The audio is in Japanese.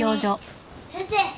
先生。